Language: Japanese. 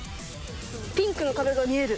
ピンクの壁が見える。